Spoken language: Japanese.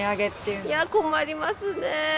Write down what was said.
いやぁ、困りますね。